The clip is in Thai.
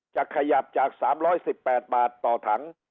จะขยับจาก๓๑๘บาทต่อถัง